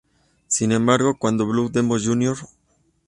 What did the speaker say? Sin embargo, cuando Blue Demon, Jr.